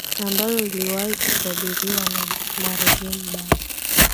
ambalo liliwahi kutabiriwa na marehemu ba